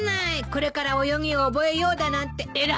これから泳ぎを覚えようだなんて偉いわ。